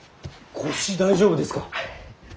腰大丈夫ですか。